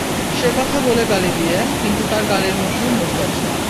সে কথা বলে গালি দিয়ে, কিন্তু তার গালির মধ্যেও মধু আছে।